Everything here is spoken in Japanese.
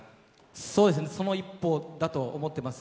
その一歩だと思っています。